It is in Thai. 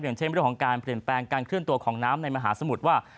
อย่างเช่นเรื่องของการเปลี่ยนแปลงการเคลื่อนตัวของน้ำในมหาสมุทรว่า